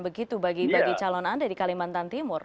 begitu bagi calon anda di kalimantan timur